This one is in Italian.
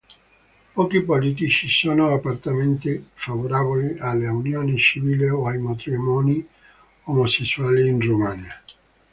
Pochi politici sono apertamente favorevoli alle unioni civili o ai matrimoni omosessuali in Romania.